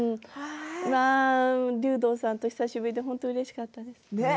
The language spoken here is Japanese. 竜童さんと久しぶりで本当にうれしかったです。